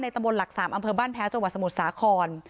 ตำบลหลัก๓อำเภอบ้านแพ้วจังหวัดสมุทรสาคร